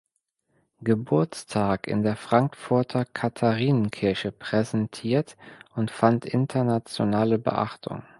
Geburtstag in der Frankfurter Katharinenkirche präsentiert und fand internationale Beachtung.